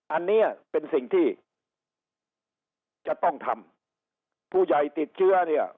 อันนี้เป็นสิ่งที่จะต้องทำผู้ใหญ่ติดเชื้อเนี่ย